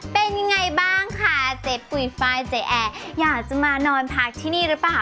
เป็นยังไงบ้างค่ะเจ๊ปุ๋ยไฟล์เจ๊แอร์อยากจะมานอนพักที่นี่หรือเปล่า